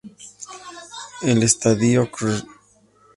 El estadio Cr.